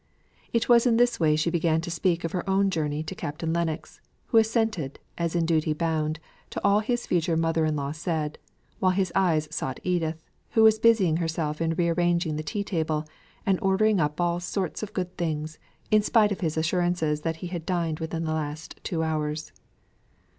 It was in this way she began to speak of her own journey to Captain Lennox, who assented, as in duty bound, to all his future mother in law said, while his eyes sought Edith, who was busying herself in re arranging the tea table, and ordering up all sorts of good things in spite of his assurances that he had dined within the last two hours.